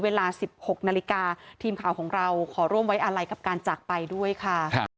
เวลา๑๖นาฬิกาทีมข่าวของเราขอร่วมไว้อาลัยกับการจากไปด้วยค่ะ